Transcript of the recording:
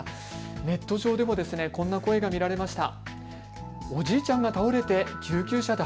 ネット上でもこんな声が見られました。